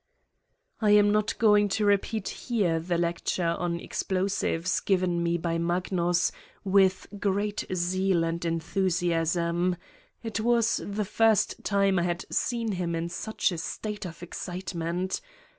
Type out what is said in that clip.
I am not going to repeat here the lecture on ex plosives given me by Magnus with great zeal and enthusiasm: it was the first time I had seen him in such a state of excitement.